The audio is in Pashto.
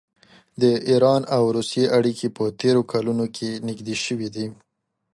د ایران او روسیې اړیکې په تېرو کلونو کې نږدې شوي دي.